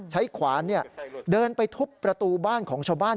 ขวานเดินไปทุบประตูบ้านของชาวบ้าน